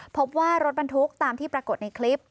พบว่ารถบรรทุกตามที่ปรากฏในคลิป